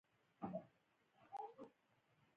د هغو نتیجه هم چنداني یقیني نه وي.